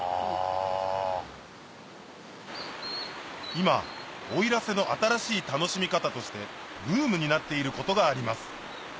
今奥入瀬の新しい楽しみ方としてブームになっていることがあります